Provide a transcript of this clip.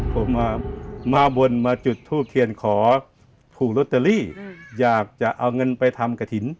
ผมมาบนมาจุดทูบเทียนขอถูกลอตเตอรี่อยากจะเอาเงินไปทำกระถิ่น